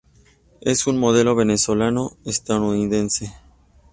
Es una Modelo Venezolana-Estadounidense.